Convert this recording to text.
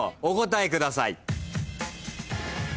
お答えください。